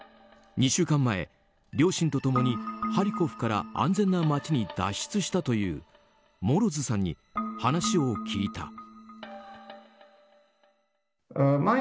２週間前、両親と共にハリコフから安全な街に脱出したというモロズさんに話を聞いた。